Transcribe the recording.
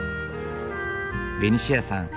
ベニシアさん